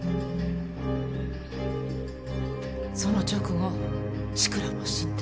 その直後志倉も死んだ。